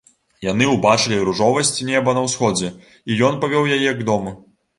Яны ўбачылі ружовасць неба на ўсходзе, і ён павёў яе к дому.